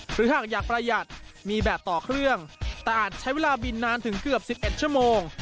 หรือหากอยากประหยัดมีแบบต่อเครื่องแต่อาจใช้เวลาบินนานถึงเกือบ๑๑ชั่วโมง